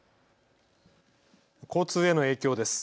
交通への影響です。